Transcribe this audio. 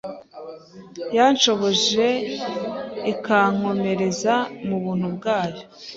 yanshoboje ikankomereza mu buntu bwayo